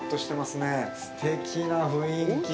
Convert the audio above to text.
すてきな雰囲気。